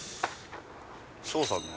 翔さんの。